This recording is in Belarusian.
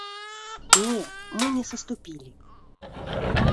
Не, мы не саступілі!